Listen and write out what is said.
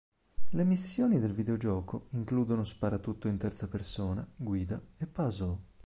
Le missioni del videogioco includono sparatutto in terza persona, guida e puzzle.